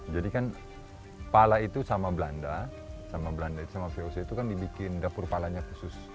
jadi kan pala itu sama belanda sama belanda itu sama voc itu kan dibikin dapur palanya khusus